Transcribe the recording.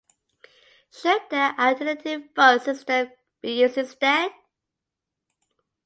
Should the "alternative vote" system be used instead?".